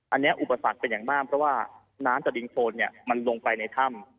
อันนี้อุปสรรคเป็นอย่างมากเพราะว่าน้ำจากดินโคนมันลงไปในถ้ำ